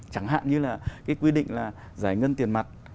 chẳng hạn như là cái quy định là giải ngân tiền mặt